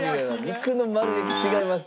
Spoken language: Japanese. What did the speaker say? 肉の丸焼き違います。